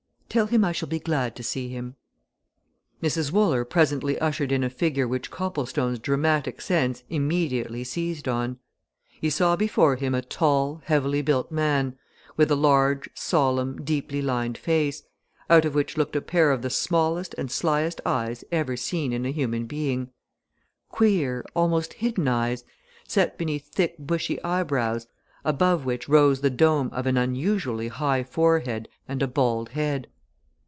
"Tell him I shall be glad to see him." Mrs. Wooler presently ushered in a figure which Copplestone's dramatic sense immediately seized on. He saw before him a tall, heavily built man, with a large, solemn, deeply lined face, out of which looked a pair of the smallest and slyest eyes ever seen in a human being queer, almost hidden eyes, set beneath thick bushy eyebrows above which rose the dome of an unusually high forehead and a bald head.